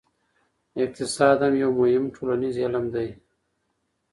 اقتصاد هم یو مهم ټولنیز علم دی.